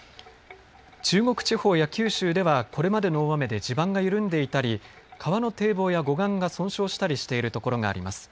中国地方や九州ではこれまでの大雨で地盤が緩んでいたり川の堤防や護岸が損傷したりしている所があります。